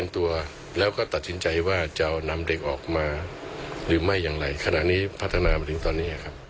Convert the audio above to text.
ตัดชินใจว่าจะเอานำเด็กออกมาหรือไม่อย่างไรขณะนี้พัฒนามาเนี้ยตอนนี้